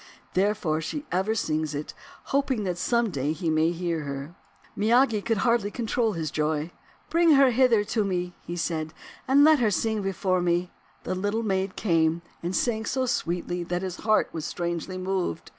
Therefore she ever sings it, hoping that some day he may hear her." Miyagi could hardly control his joy. "Bring her hither to me," said he, "and let her sing before me." The Little Maid came, and sang so sweetly that his heart was strangely moved.